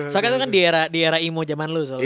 soalnya itu kan daerah emo zaman lo soalnya